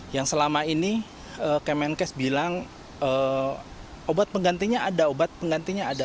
yang selama ini kemenkes bilang obat penggantinya ada obat penggantinya ada